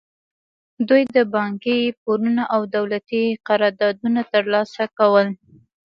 دوی د بانکي پورونه او دولتي قراردادونه ترلاسه کول.